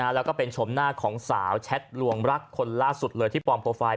แล้วก็เป็นชมหน้าของสาวแชทลวงรักคนล่าสุดเลยที่ปลอมโปรไฟล์